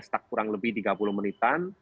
stuck kurang lebih tiga puluh menitan